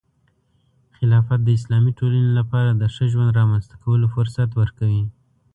خلافت د اسلامي ټولنې لپاره د ښه ژوند رامنځته کولو فرصت ورکوي.